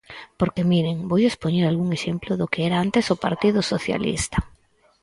Porque, miren, voulles poñer algún exemplo do que era antes o Partido Socialista.